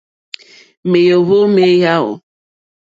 Mèóhwò mé yáò.